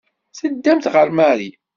Teddamt ɣer Marie.